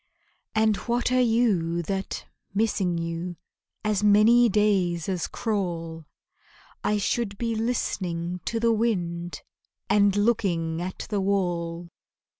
And what are you that, missing you, As many days as crawl I should be listening to the wind And looking at the wall?